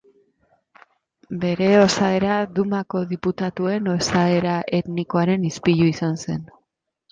Bere osaera Dumako diputatuen osaera etnikoaren ispilu izan zen.